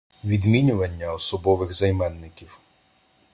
Відмінювання особових займенників